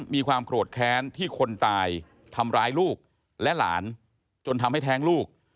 มีความโกรธแค้นที่คนตายทำร้ายลูกและหลานจนทำให้แท้งลูก